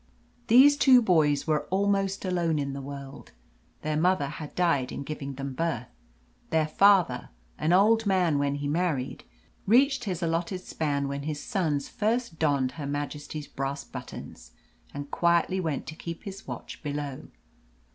These two boys were almost alone in the world. Their mother had died in giving them birth. Their father, an old man when he married, reached his allotted span when his sons first donned Her Majesty's brass buttons, and quietly went to keep his watch below.